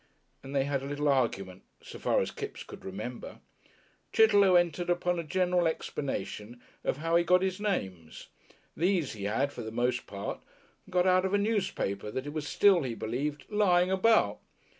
And they had a little argument so far as Kipps could remember. Chitterlow entered upon a general explanation of how he got his names. These, he had for the most part got out of a newspaper that was still, he believed, "lying about."